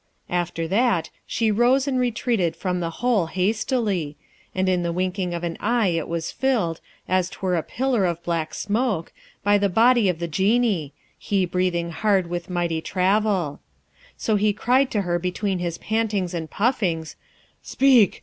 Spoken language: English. After that, she rose and retreated from the hole hastily, and in the winking of an eye it was filled, as 'twere a pillar of black smoke, by the body of the Genie, he breathing hard with mighty travel. So he cried to her between his pantings and puffings, 'Speak!